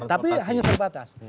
tapi hanya terbatas